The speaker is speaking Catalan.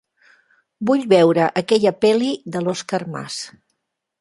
Vull veure aquella pel·li de l'Òscar Mas.